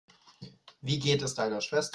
Wie geht es deiner Schwester?